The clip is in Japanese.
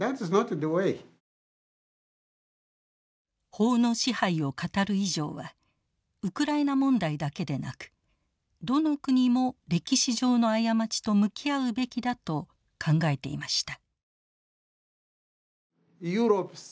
法の支配を語る以上はウクライナ問題だけでなくどの国も歴史上の過ちと向き合うべきだと考えていました。